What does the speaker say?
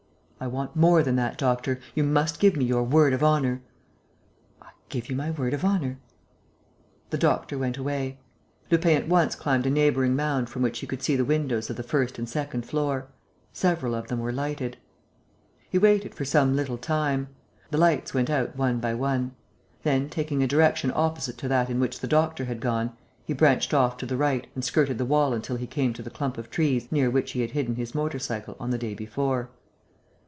"I want more than that, doctor. You must give me your word of honour." "I give you my word of honour." The doctor went away. Lupin at once climbed a neighbouring mound from which he could see the windows of the first and second floor. Several of them were lighted. He waited for some little time. The lights went out one by one. Then, taking a direction opposite to that in which the doctor had gone, he branched off to the right and skirted the wall until he came to the clump of trees near which he had hidden his motor cycle on the day before.